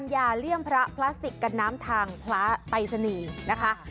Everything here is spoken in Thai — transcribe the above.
การติดกันน้ำทางพลาไปสนีนะคะ